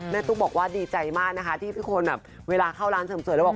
แม่ตุ๊กบอกว่าดีใจมากนะคะที่พี่คนเวลาเข้าร้านเสริมเสริมแล้วบอก